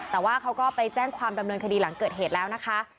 แต่ว่าเขาก็ไปแจ้งความดำเนินคดีหลังเกิดเหตุแล้วนะคะ